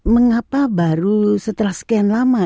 mengapa baru setelah sekian lama